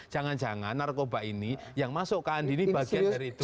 jangan jangan narkoba ini yang masuk ke andi ini bagian dari